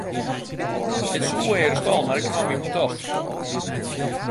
It soe earst al, mar ik haw my betocht.